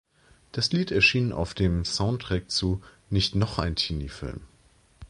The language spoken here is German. Das Lied erschien auf dem Soundtrack zu "Nicht noch ein Teenie-Film!